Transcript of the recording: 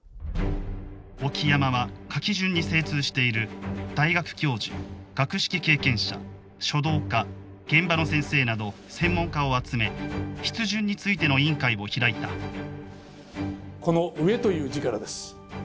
沖山は書き順に精通している大学教授学識経験者書道家現場の先生など専門家を集め「筆順についての委員会」を開いたこの「上」という字からです。